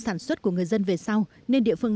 sản xuất của người dân về sau nên địa phương